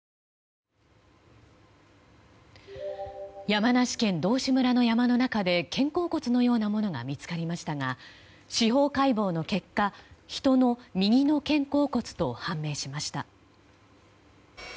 山梨県道志村の山の中で肩甲骨のようなものが見つかりましたが司法解剖の結果人の右の肩甲骨を判明しました。